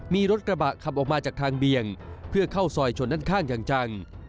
มีรถกระบะขับออกมาจากทางเบียงเพื่อเข้าซอยชนด้านข้างอย่างจัง